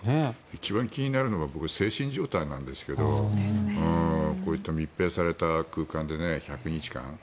一番気になるのは僕、精神状態なんですけどこういった密閉された空間で１００日間。